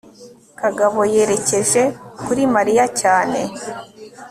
kagabo yerekeje kuri mariya cyane